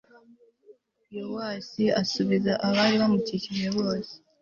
yowasi asubiza abari bamukikije bose